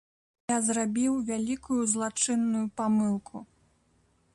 Я зрабіў вялікую злачынную памылку.